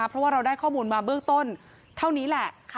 เพราะว่าเราได้ข้อมูลมาเบื้องต้นเท่านี้แหละ